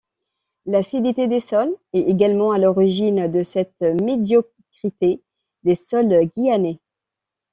L'acidité des sols est également à l'origine de cette médiocrité des sols guyanais.